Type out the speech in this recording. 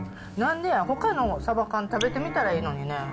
なんでや、ほかのサバ缶、食べてみたらいいのにね。